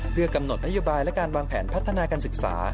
เพื่อกำหนดนโยบายและการวางแผนพัฒนาการศึกษา